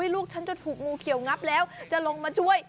ลูกฉันจะถูกงูเขียวงับแล้วจะลงมาช่วย